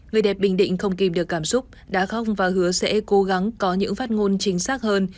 người đẹp bình định không kìm được cảm xúc đã không và hứa sẽ cố gắng có những phát ngôn chính xác hơn